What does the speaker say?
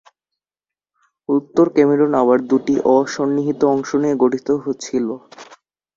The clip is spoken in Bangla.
উত্তর ক্যামেরুন আবার দুটি অ-সন্নিহিত অংশ নিয়ে গঠিত ছিল।